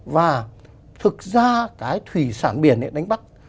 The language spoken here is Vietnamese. và thực ra cái thủy sản biển đánh bắt